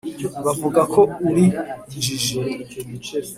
Bakavuga ko uri injiji